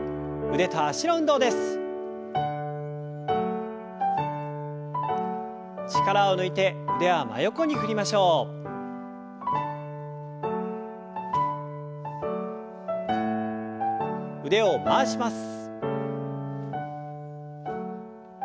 腕を回します。